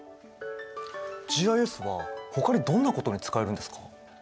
ＧＩＳはほかにどんなことに使えるんですか？